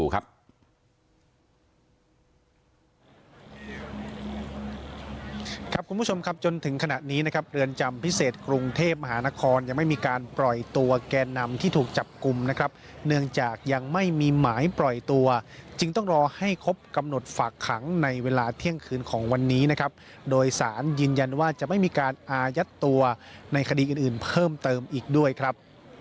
กรุงเทพมหานครยังไม่มีการปล่อยตัวแกนนำที่ถูกจับกลุ่มนะครับเนื่องจากยังไม่มีหมายปล่อยตัวจึงต้องรอให้ครบกำหนดฝากขังในเวลาเที่ยงคืนของวันนี้นะครับโดยสารยืนยันว่าจะไม่มีการอายัดตัวในคดีอื่นเพิ่มเติมอีกด้วยครับ